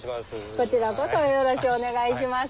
こちらこそよろしゅうお願いします。